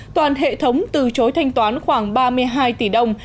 toàn hệ thống từ chối thanh toán khoảng ba mươi hai tỷ đồng